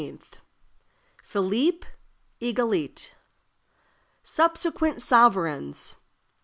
Philippe Egalité. Subsequent Sovereigns.